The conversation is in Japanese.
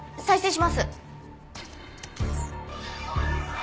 再生します。